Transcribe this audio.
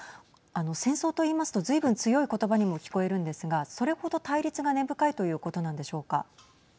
戦争と言いますとずいぶん強い言葉にも聞こえるんですがそれほど対立が根深いということなんでしょうか。